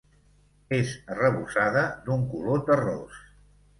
És arrebossada d'un color terrós.